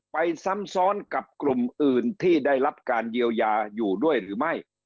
ซ้ำซ้อนกับกลุ่มอื่นที่ได้รับการเยียวยาอยู่ด้วยหรือไม่